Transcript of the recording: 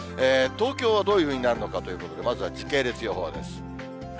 東京はどういうふうになるのかということで、まずは時系列予報です。